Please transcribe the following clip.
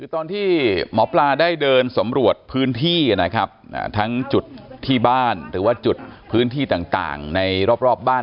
คือตอนที่หมอปลาได้เดินสำรวจพื้นที่นะครับทั้งจุดที่บ้านหรือว่าจุดพื้นที่ต่างในรอบบ้าน